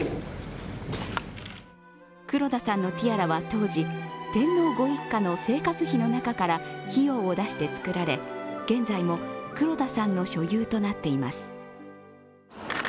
黒田さんのティアラは当時天皇ご一家の生活費の中から費用を出して作られ、現在も黒田さんの所有となっています。